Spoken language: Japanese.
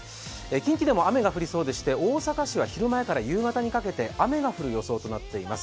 近畿でも雨が降りそうでして大阪市では昼前から夕方にかけて雨が降る予想となっています。